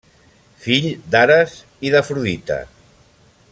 Fill d'Ares i d'Afrodita.